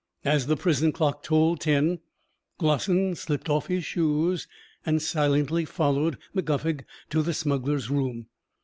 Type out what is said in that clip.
As the prison clock tolled ten, Glossin slipped off his shoes, and silently followed Mac Guffog to the smuggler's room.